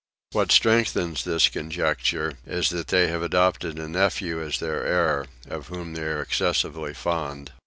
What strengthens this conjecture is that they have adopted a nephew as their heir, of whom they are excessively fond.